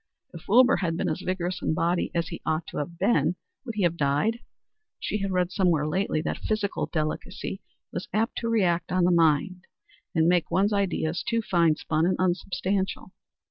If Wilbur had been as vigorous in body as he ought to have been, would he have died? She had read somewhere lately that physical delicacy was apt to react on the mind and make one's ideas too fine spun and unsubstantial.